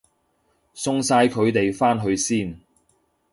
送晒佢哋返去先